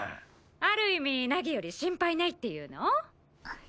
ある意味凪より心配ないっていうの？